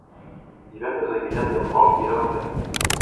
Divendres en Guillem i en Pol iran al teatre.